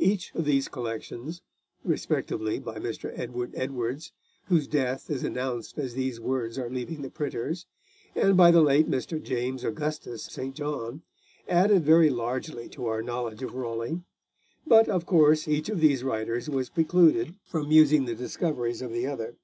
Each of these collections, respectively by Mr. Edward Edwards, whose death is announced as these words are leaving the printers, and by the late Mr. James Augustus St. John, added very largely to our knowledge of Raleigh; but, of course, each of these writers was precluded from using the discoveries of the other.